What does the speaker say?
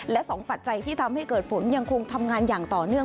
และสองปัจจัยที่ทำให้เกิดฝนยังคงทำงานอย่างต่อเนื่อง